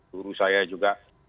guru saya juga